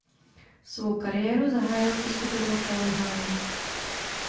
Svou kariéru zahájil se skupinou Kali Wild.